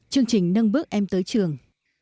chương trình nâng bước em tới trường